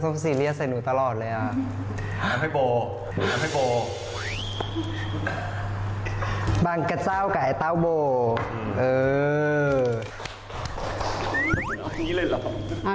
เดี๋ยวไปฟังคำตอบของอเล็กกันเลยค่ะ